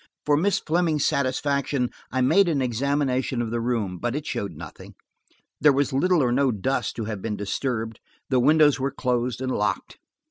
For Miss Fleming's satisfaction I made an examination of the room, but it showed nothing. There was little or no dust to have been disturbed; the windows were closed and locked.